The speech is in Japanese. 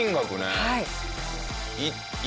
はい。